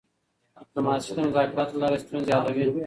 ډیپلوماسي د مذاکراتو له لارې ستونزې حلوي.